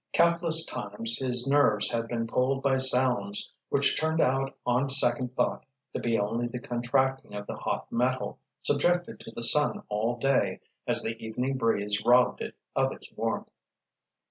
Countless times his nerves had been pulled by sounds which turned out on second thought to be only the contracting of the hot metal, subjected to the sun all day, as the evening breeze robbed it of its warmth.